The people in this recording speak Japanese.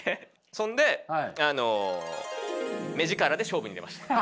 そんであの目力で勝負に出ました。